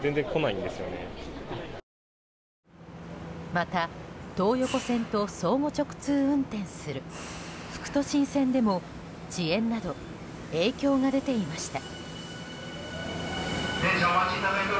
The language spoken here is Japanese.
また、東横線と相互直通運転する副都心線でも遅延など影響が出ていました。